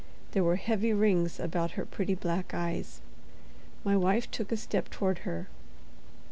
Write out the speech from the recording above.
There were heavy rings about her pretty black eyes. My wife took a step toward her.